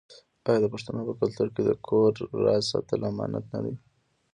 آیا د پښتنو په کلتور کې د کور راز ساتل امانت نه دی؟